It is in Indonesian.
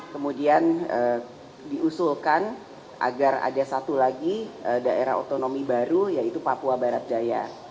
kemudian diusulkan agar ada satu lagi daerah otonomi baru yaitu papua barat daya